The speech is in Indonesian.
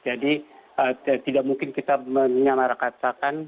jadi tidak mungkin kita menyamarakatakan